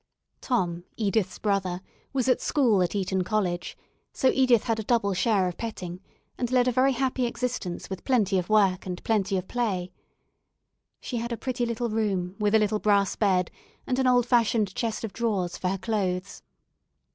Tom, Edith's brother, was at school at Eton College, so Edith had a double share of petting, and led a very happy existence with plenty of work and plenty of play. She had a pretty little room, with a little brass bed, and an old fashioned chest of drawers for her clothes.